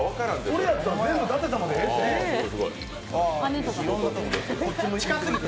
これだったら全部舘様でええて。